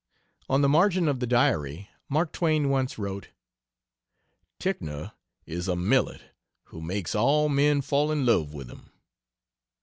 On the margin of the "Diary" Mark Twain once wrote, "Ticknor is a Millet, who makes all men fall in love with him."